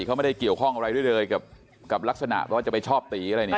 เขาไม่ได้เกี่ยวข้องอะไรด้วยเลยกับลักษณะว่าจะไปชอบตีอะไรเนี่ย